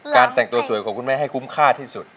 แต่งตัวสวยของคุณแม่ให้คุ้มค่าที่สุด